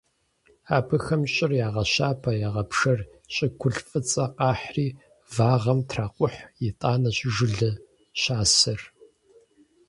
Абыхэм щӀыр ягъэщабэ, ягъэпшэр, щӀыгулъ фӀыцӀэ къахьри вагъэм тракъухь, итӀанэщ жылэ щасэр.